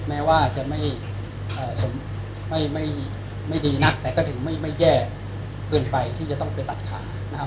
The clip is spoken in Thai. แม้ว่าจะไม่ดีนักแต่ก็ถึงไม่แย่เกินไปที่จะต้องไปตัดขานะครับ